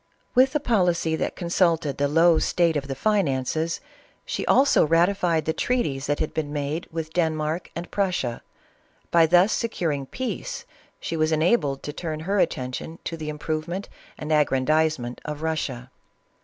With a policy that consulted the low state of 412 CATHERINE OF RUSSIA. the finances, she also ratified the treaties that had been made with Denmark and Prussia; by thus securing peace, she was enabled to turn her attention to the im provement and aggrandizement of Russia.